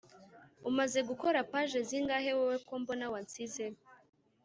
Umaze gukora page zingahe wowe kombona wansize